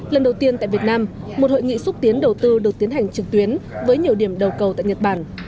lần đầu tiên tại việt nam một hội nghị xúc tiến đầu tư được tiến hành trực tuyến với nhiều điểm đầu cầu tại nhật bản